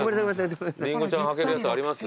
りんごちゃんはけるやつあります？